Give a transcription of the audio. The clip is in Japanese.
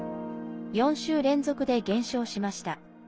４週連続で減少しました。